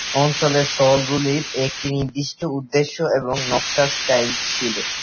অঞ্চলের শহরগুলির একটি নির্দিষ্ট উদ্দেশ্য এবং নকশার স্টাইল ছিল।